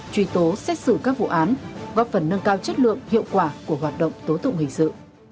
truy tố xét xử các vụ án góp phần nâng cao chất lượng hiệu quả của hoạt động tố tụng hình sự